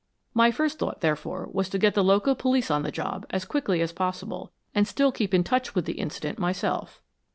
My first thought, therefore, was to get the local police on the job as quickly as possible and still keep in touch with the incident myself."